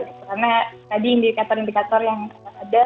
karena tadi indikator indikator yang ada